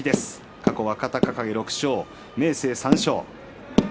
過去、若隆景６勝、明生３勝。